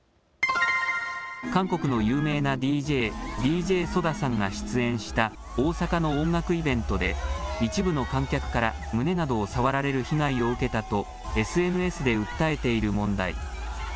韓国の有名なＤＪ、ＤＪＳＯＤＡさんが出演した大阪の音楽イベントで一部の観客から胸などを触られる被害を受けたとＳＮＳで訴えている問題。